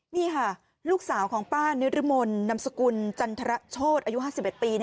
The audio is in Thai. นี่ค่ะลูกสาวของป้านิรมนนำสกุลจันทรโชธอายุ๕๑ปี